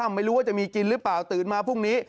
ไม่รู้ว่าจะมีกินหรือเปล่าตื่นมาพรุ่งนี้